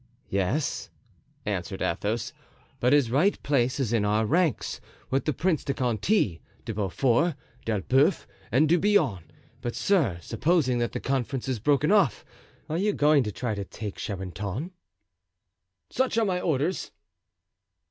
"Yes," answered Athos, "but his right place is in our ranks, with the Prince de Conti, De Beaufort, D'Elbeuf, and De Bouillon; but, sir, supposing that the conference is broken off—are you going to try to take Charenton?" "Such are my orders."